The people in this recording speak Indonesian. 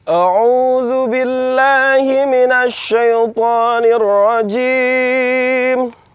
a'udhu billahi minash shaitanir rajeem